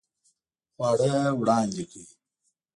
خواړه وړاندې کړئ